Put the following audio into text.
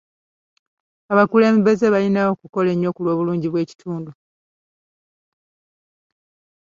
Abakulembeze balina okukola ennyo ku lw'obulungi bw'ekitundu.